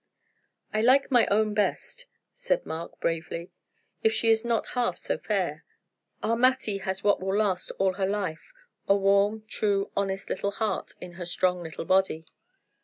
"I like my own best," said Mark, bravely, "if she is not half so fair. Our Mattie has what will last all her life a warm, true, honest little heart in her strong little body."